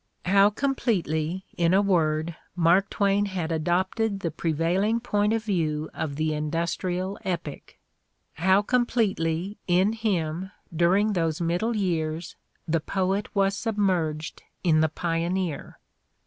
How completely, in a word, Mark Twain had adopted the prevailing point of view of the industrial epoch! How completely, in him, during those middle years, the poet was submerged in the pioneer